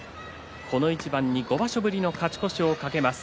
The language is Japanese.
この一番に５場所ぶりの勝ち越しを懸けます。